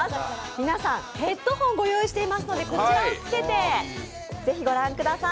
皆さん、ヘッドホンをご用意していますのでこちらをつけて、ぜひご覧ください。